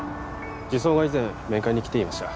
児相が以前面会に来ていました